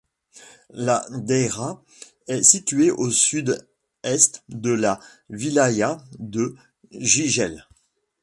La daïra est située au sud est de la wilaya de Jijel.